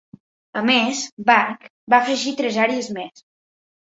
A més Bach va afegir tres àries més.